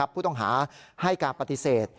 ผู้ต้องหาให้การปฏิเสธ